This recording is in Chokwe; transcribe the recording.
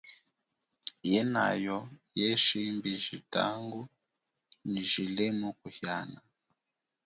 Yenayo ye shimbi jitangu nyi jilemu kuhiana.